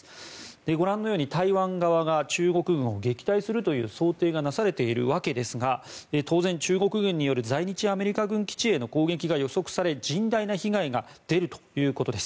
ご覧のように台湾側が中国軍を撃退するという想定がなされているわけですが当然、中国軍による在日アメリカ軍基地への攻撃が予測され甚大な被害が出るということです。